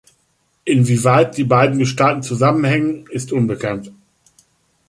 Inwieweit die beiden Gestalten zusammenhängen, ist unbekannt.